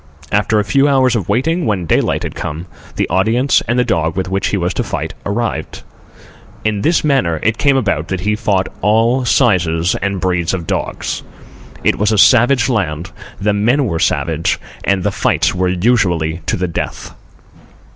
After a few hours of waiting, when daylight had come, the audience and the dog with which he was to fight arrived. In this manner it came about that he fought all sizes and breeds of dogs. It was a savage land, the men were savage, and the fights were usually to the death.